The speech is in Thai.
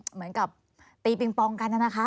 เหมือนกับตีปิงปองกันนะคะ